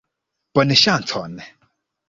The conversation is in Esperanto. Bonŝancon!